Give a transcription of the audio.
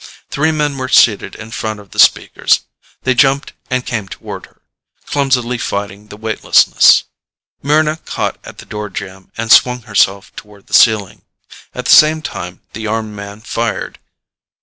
Three men were seated in front of the speakers. They jumped and came toward her, clumsily fighting the weightlessness. Mryna caught at the door jamb and swung herself toward the ceiling. At the same time the armed man fired.